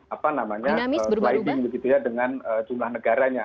apa namanya dengan jumlah negaranya